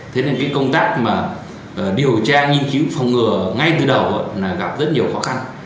thế nên công tác điều tra nghiên cứu phòng ngừa ngay từ đầu gặp rất nhiều khó khăn